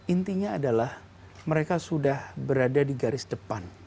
intinya adalah mereka sudah berada di garis depan